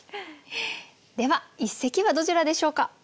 では一席はどちらでしょうか？